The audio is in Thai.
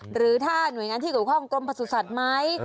หรือถ้าหน่วยงานที่กรุงคลองกรมประสุทธิ์สัตว์ไหม